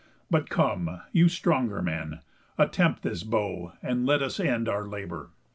_ But come, you stronger men, attempt this bow, And let us end our labour."